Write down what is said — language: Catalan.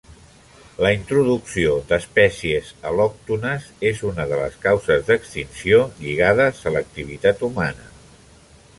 La introducció d'espècies al·lòctones és una de les causes d'extinció lligades a l'activitat humana.